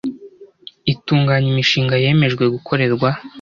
Itunganya imishinga yemejwe gukorerwa